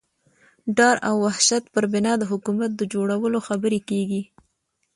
ډار او وحشت پر بنا د حکومت د جوړولو خبرې کېږي.